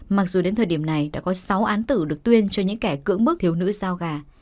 mặc dù đến thời điểm này đã có sáu án tử được tuyên cho những kẻ cưỡng bức thiếu nữ giao gà